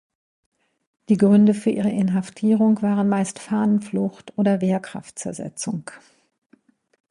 Die Gründe für ihre Inhaftierung waren meist Fahnenflucht oder Wehrkraftzersetzung.